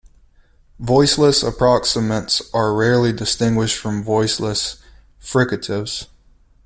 Voiceless approximants are rarely distinguished from voiceless fricatives.